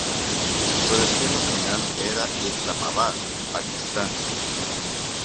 Su destino final era Islamabad, Pakistán.